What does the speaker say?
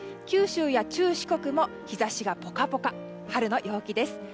九州や中四国も日差しがポカポカで春の陽気です。